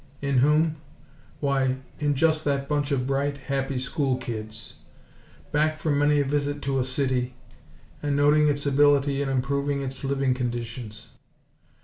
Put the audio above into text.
In whom? Why, in just that bunch of bright, happy school kids, back from many a visit to a city, and noting its ability in improving its living conditions.